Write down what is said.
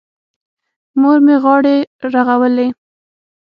مور مې غاړې رغولې.